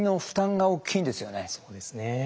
そうですね。